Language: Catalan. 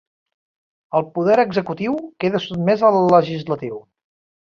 El poder executiu queda sotmès al legislatiu.